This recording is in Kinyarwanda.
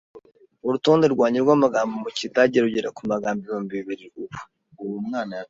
Urutonde rwanjye rw'amagambo mu kidage rugera ku magambo ibihumbi bibiri ubu.